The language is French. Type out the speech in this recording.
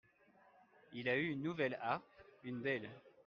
il a eu une nouvelle harpe, une belle.